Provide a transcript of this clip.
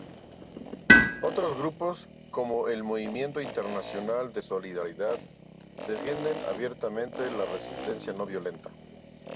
Otros grupos, como el Movimiento Internacional de Solidaridad, defienden abiertamente la resistencia no violenta.